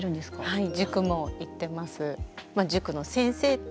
はい。